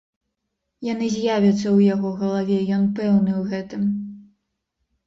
Яны з'явяцца ў яго галаве, ён пэўны ў гэтым.